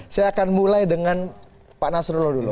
saya akan mulai dengan pak nasrullah dulu